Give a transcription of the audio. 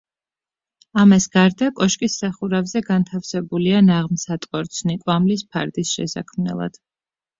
ამას გარდა, კოშკის სახურავზე განთავსებულია ნაღმსატყორცნი, კვამლის ფარდის შესაქმნელად.